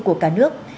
của cả nước